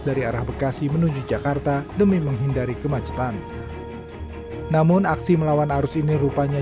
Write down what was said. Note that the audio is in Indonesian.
dari arah bekasi menuju jakarta demi menghindari kemacetan namun aksi melawan arus ini rupanya